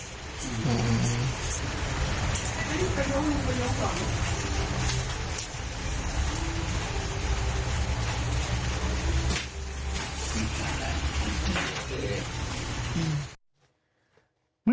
กระโยชน์มันกระโยชน์ก่อน